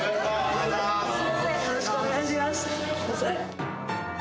よろしくお願いします